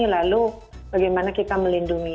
lalu bagaimana kita melindungi